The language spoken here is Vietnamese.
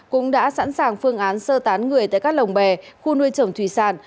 cũng đã sẵn sàng phương án sơ tán người tại các lồng bè khu nuôi trồng thủy sản